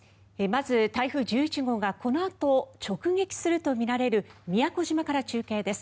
まず、台風１１号がこのあと直撃するとみられる宮古島から中継です。